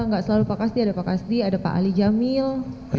nggak selalu pak kasdi ada pak kasdi ada pak ali jamil